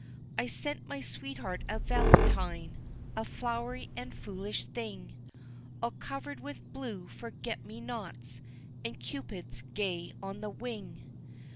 I sent my sweetheart a valentine, a flowery and foolish thing, All covered with blue forget me nots, and cupids gay on the wing.